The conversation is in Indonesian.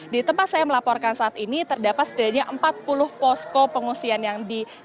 di tempat saya melaporkan saat ini terdapat setidaknya empat puluh posko pengungsian yang di